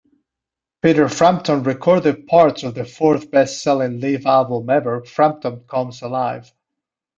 Peter Frampton recorded parts of the fourth best-selling live album ever, Frampton Comes Alive!